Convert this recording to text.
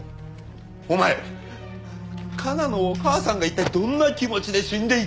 お前加奈のお母さんが一体どんな気持ちで死んでいったか。